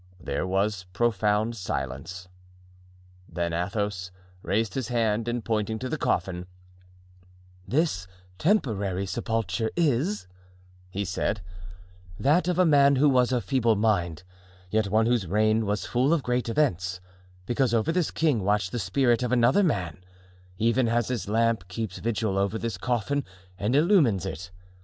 There was profound silence. Then Athos raised his hand and pointing to the coffin: "This temporary sepulture is," he said, "that of a man who was of feeble mind, yet one whose reign was full of great events; because over this king watched the spirit of another man, even as this lamp keeps vigil over this coffin and illumines it.